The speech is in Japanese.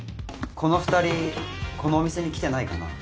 この２人このお店に来てないかな？